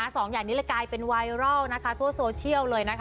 สองอย่างนี้เลยกลายเป็นไวรัลนะคะทั่วโซเชียลเลยนะคะ